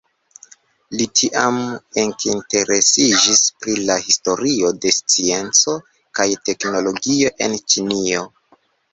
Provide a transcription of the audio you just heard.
Li tiam ekinteresiĝis pri la historio de scienco kaj teknologio en Ĉinio.